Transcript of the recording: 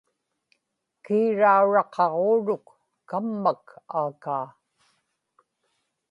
kiirauraqaġuuruk kammak aakaa